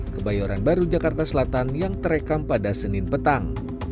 kebayoran baru jakarta selatan yang terekam pada senin petang